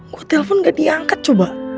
gue telpon ga diangket coba